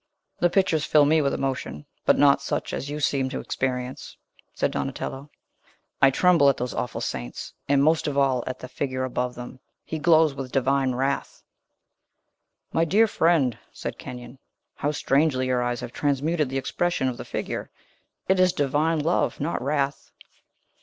"The pictures fill me with emotion, but not such as you seem to experience," said Donatello. "I tremble at those awful saints; and, most of all, at the figure above them. He glows with Divine wrath!" "My dear friend," said Kenyon, "how strangely your eyes have transmuted the expression of the figure! It is divine love, not wrath!"